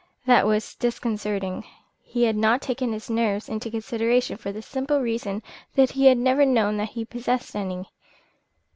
That was disconcerting. He had not taken his nerves into consideration for the simple reason that he had never known that he possessed any.